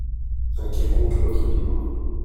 Un quelconque autre livre.